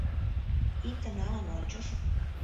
— Икте налын ончыш.